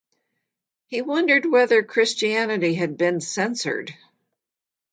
He wondered whether Christianity had been censored.